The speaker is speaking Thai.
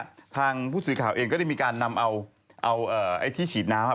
ทางผู้สื่อข่าวเองก็ได้มีการนำเอาไอ้ที่ฉีดน้ำอ่ะ